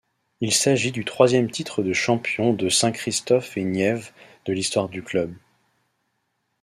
Il s’agit du troisième titre de champion de Saint-Christophe-et-Niévès de l'histoire du club.